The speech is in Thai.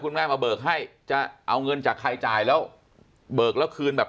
แม่มาเบิกให้จะเอาเงินจากใครจ่ายแล้วเบิกแล้วคืนแบบ